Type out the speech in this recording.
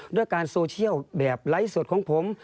ด้วยการโซเชียลแบบไลฟ์สดของผม